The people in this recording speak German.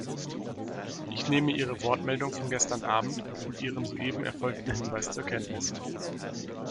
Ich nehme Ihre Wortmeldung von gestern Abend und Ihren soeben erfolgten Hinweis zur Kenntnis.